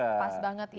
pas banget ya